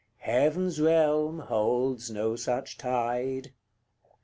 heaven's realm holds no such tide.